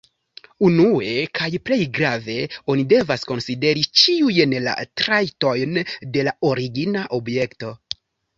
Unue, kaj plej grave, oni devas konsideri ĉiujn la trajtojn de la origina objekto.